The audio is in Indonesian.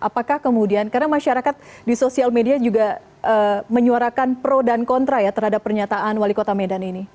apakah kemudian karena masyarakat di sosial media juga menyuarakan pro dan kontra ya terhadap pernyataan wali kota medan ini